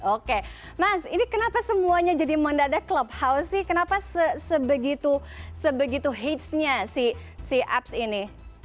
oke mas ini kenapa semuanya jadi mendadak clubhouse sih kenapa sebegitu hitsnya si apps ini